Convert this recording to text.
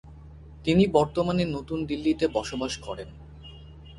তিনি বর্তমানে নতুন দিল্লিতে বসবাস করেন।